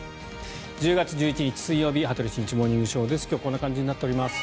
１０月１１日、水曜日「羽鳥慎一モーニングショー」。今日はこんな感じになっております。